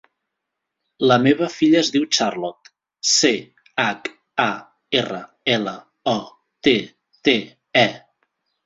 La meva filla es diu Charlotte: ce, hac, a, erra, ela, o, te, te, e.